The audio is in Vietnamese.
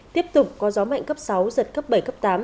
tiếp tục có gió mạnh cấp sáu giật cấp bảy cấp tám